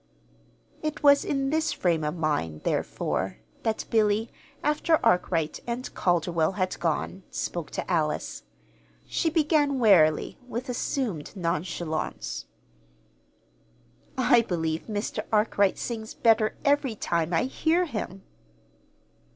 It was in this frame of mind, therefore, that Billy, after Arkwright and Calderwell had gone, spoke to Alice. She began warily, with assumed nonchalance. "I believe Mr. Arkwright sings better every time I hear him."